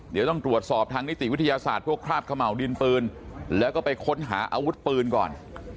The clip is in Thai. เดี๋ยวต้องตรวจสอบทางนิติวิทยาศาสตร์พวกคราบเขม่าวดินปืนแล้วก็ไปค้นหาอาวุธปืนก่อน